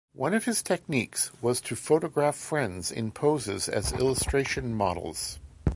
One of his techniques was to photograph friends in poses as illustration models.